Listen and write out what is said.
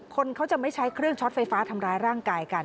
คนเขาจะไม่ใช้เครื่องช็อตไฟฟ้าทำร้ายร่างกายกัน